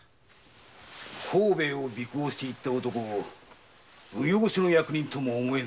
甲兵衛を尾行していった男奉行所の役人とも思えぬ様子。